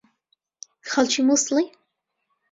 خەڵکی مووسڵی؟